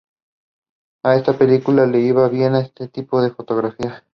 A esta película le iba muy bien este tipo de fotografía.